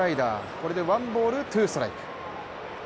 これでワンボールツーストライク。